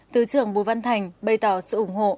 thứ trưởng bùi văn thành bày tỏ sự ủng hộ